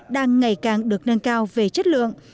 đang ngày càng được nâng cao về chất lượng